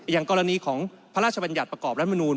อย่างกรณีของพระราชบัญญัติประกอบรัฐมนูล